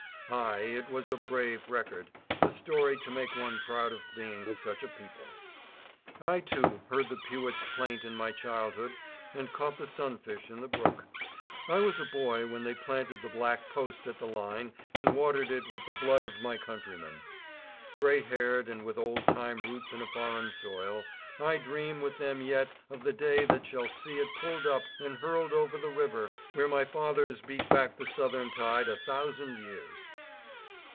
Ay, it was a brave record, a story to make one proud of being of such a people. I, too, heard the pewit's plaint in my childhood and caught the sun fish in the brook. I was a boy when they planted the black post at the line and watered it with the blood of my countrymen. Gray haired and with old time roots in a foreign soil, I dream with them yet of the day that shall see it pulled up and hurled over the river where my fathers beat back the southern tide a thousand years.